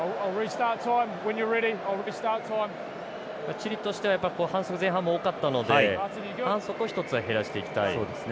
チリとしては反則、前半も多かったので反則を一つ、減らしていきたい。